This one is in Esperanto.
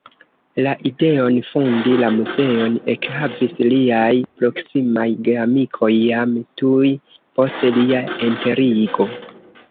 La ideon fondi la muzeon ekhavis liaj proksimaj geamikoj jam tuj post lia enterigo.